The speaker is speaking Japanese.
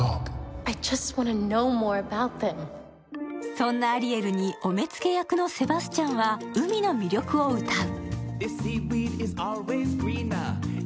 そんなアリエルに、お目付役のセバスチャンは、海の魅力を歌う。